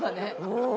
うん。